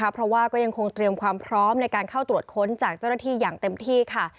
เพราะว่าก็ยังคงเตรียมความพร้อมในการเข้าตรวจค้นจากเจ้าหน้าที่อย่างเต็มที่ค่ะ